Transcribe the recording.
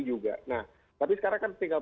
juga nah tapi sekarang kan tinggal